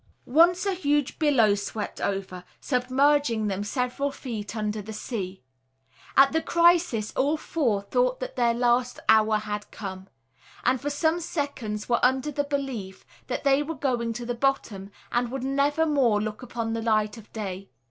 Once a huge billow swept over, submerging them several feet under the sea. At this crisis all four thought that their last hour had come, and for some seconds were under the belief that they were going to the bottom, and would never more look upon the light of day.